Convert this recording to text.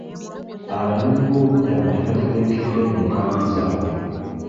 Abanoonyiboobubudamu tebatebenkedde mu nkambi zaabwe.